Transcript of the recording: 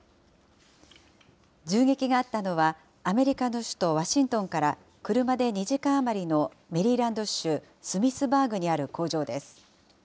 銃撃があったのは、アメリカの首都ワシントンから車で２時間余りのメリーランド州スミスバーグにある工場です。